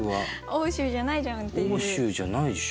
欧州じゃないでしょっていう。